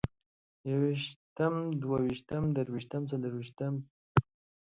يوويشتم، دوه ويشتم، درويشتم، څلرويشتم، څلورويشتم